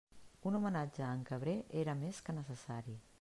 Un homenatge a en Cabré era més que necessari.